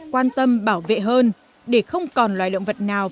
quan tâm bảo vệ hơn để không còn loài động vật nào